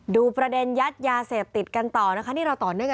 ดูประเด็นแยกยาเศษติดิจาบยาเศษติดิตกันต่อนะคะ